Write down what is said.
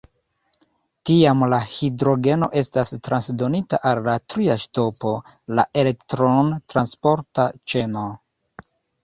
Tiam la hidrogeno estas transdonita al la tria ŝtupo, la elektron-transporta ĉeno.